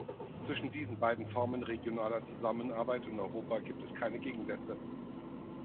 Zwischen diesen beiden Formen regionaler Zusammenarbeit in Europa gibt es keine Gegensätze.